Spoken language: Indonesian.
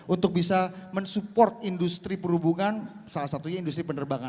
untuk bisa mensupport industri perhubungan salah satunya industri penerbangan